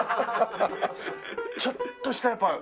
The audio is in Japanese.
ちょっとしたやっぱり。